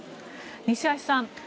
西橋さん